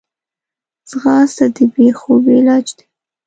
ځغاسته د بېخوبي علاج دی